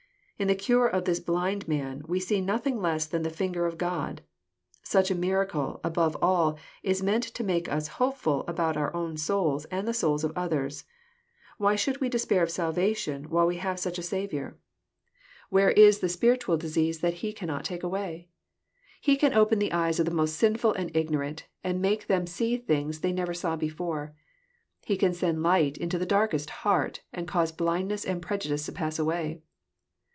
In the cure of this blind man we see nothing less than the finger of God. Such a miracle, above all, is meant to make us hopeful about our own souls and the souls of others. Why should we despair of salvation while we have such a Saviour! 138 EXPOSITOEY THOUGHTS. Where is the spiritual disease that He cannot take away? He can open the eyes of the most sinful and ignorant, and make them see things they never saw before. He can send light into the darkest heart, and cause blindness and preju dice to pass away.